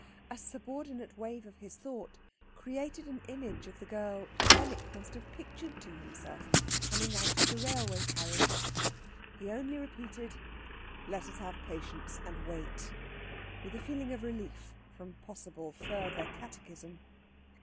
A subordinate wave of his thought created an image of the girl Fenwick must have pictured to himself coming out of the railway carriage. He only repeated: "Let us have patience, and wait," with a feeling of relief from possible further catechism.